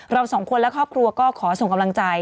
เราสองคนและครอบครัวก็ขอส่งกำลังใจ